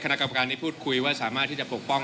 คณะกรรมการนี้พูดคุยว่าสามารถที่จะปกป้อง